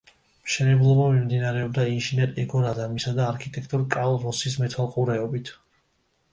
მშენებლობა მიმდინარეობდა ინჟინერ ეგორ ადამისა და არქიტექტორ კარლ როსის მეთვალყურეობით.